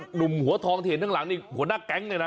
หนุ่มหัวทองที่เห็นข้างหลังนี่หัวหน้าแก๊งเลยนะ